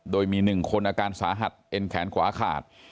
โดยมี๑คนอาการสาหัสเอ็นแขนขวาขาด